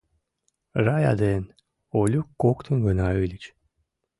Рая ден Олюк коктын гына ыльыч.